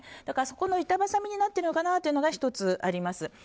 だからそこの板挟みになってるのかなというのが１つあります。